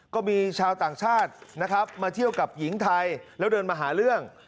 ก็มีชาวต่างชาตินะครับมาเที่ยวกับหญิงไทยแล้วเดินมาหาเรื่อง